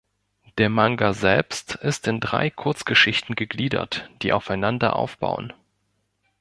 Der Manga selbst ist in drei Kurzgeschichten gegliedert, die aufeinander aufbauen.